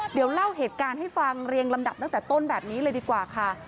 เดี๋ยวเล่าเหตุการณ์ให้ฟังเรียงลำดับตั้งแต่ต้นแบบนี้เลยดีกว่าค่ะ